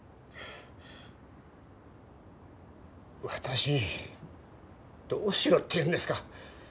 私にどうしろっていうんですか。